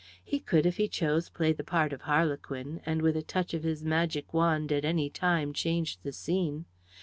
He could, if he chose, play the part of harlequin, and with a touch of his magic wand at any time change the scene.